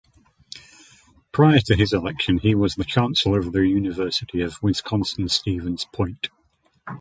Prior to his election, he was the Chancellor of the University of Wisconsin-Stevens Point.